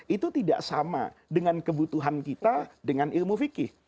itu tidak sama dengan kebutuhan kita dengan ilmu fikih